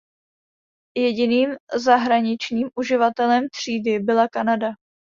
Jediným zahraničním uživatelem třídy byla Kanada.